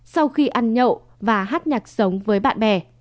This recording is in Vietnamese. sau khi ăn nhậu và hát nhạc sống với bạn bè